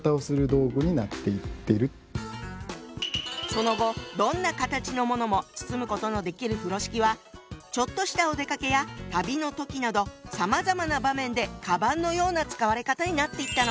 その後どんな形のものも包むことのできる風呂敷はちょっとしたお出かけや旅の時などさまざまな場面でかばんのような使われ方になっていったの。